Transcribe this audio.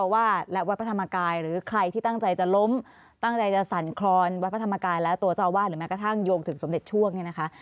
วัดพระธรรมกายและตัวเจ้าว่านหรือแม้กระทั่งโยงถึงสมเด็จช่วงนี้นะคะ